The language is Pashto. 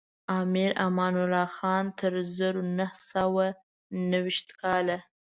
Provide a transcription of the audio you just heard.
امیر امان الله خان تر زرو نهه سوه نهه ویشتم کاله.